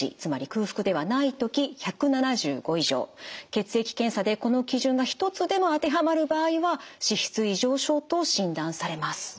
血液検査でこの基準が一つでも当てはまる場合は脂質異常症と診断されます。